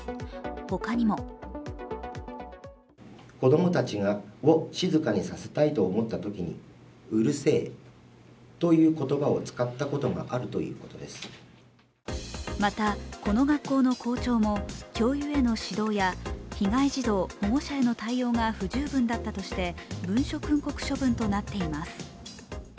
ほかにもまた、この学校の校長も教諭への指導や被害児童・保護者への対応が不十分だったとして文書訓告処分となっています。